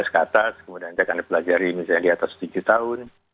dua belas ke atas kemudian kita akan belajar di atas tujuh tahun